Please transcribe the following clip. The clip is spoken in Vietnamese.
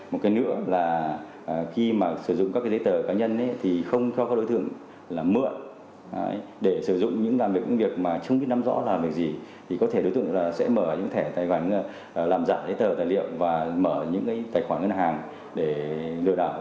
một cái nữa là khi mà sử dụng các cái giấy tờ cá nhân thì không cho các đối tượng là mượn để sử dụng những làm việc những việc mà không biết nắm rõ làm việc gì thì có thể đối tượng sẽ mở những thẻ tài khoản làm dạng giấy tờ tài liệu và mở những tài khoản ngân hàng để lừa đảo